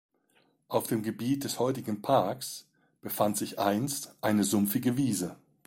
Auf dem Gebiet des heutigen Parks befand sich einst eine sumpfige Wiese.